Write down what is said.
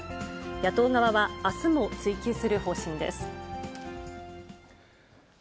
野党側は、あすも追及する方針です。